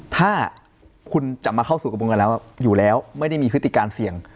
ถ้าคุณจะมาเข้าสู่กระบวนการแล้วอยู่แล้วไม่ได้มีพฤติการเสี่ยง